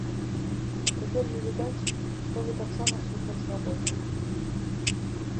Цяпер жа відаць, што вы таксама супраць рабочага.